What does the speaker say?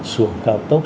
sửa cao tốc